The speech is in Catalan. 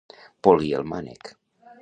Polir el mànec.